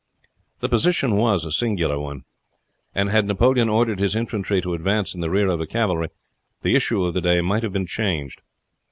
The position was a singular one; and had Napoleon ordered his infantry to advance in the rear of the cavalry, the issue of the day might have been changed.